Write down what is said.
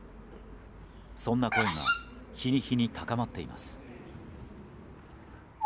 そんな声が日に日に高まっています。